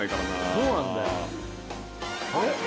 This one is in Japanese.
そうなんだよ。